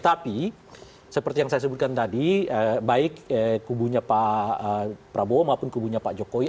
tapi seperti yang saya sebutkan tadi baik kubunya pak prabowo maupun kubunya pak jokowi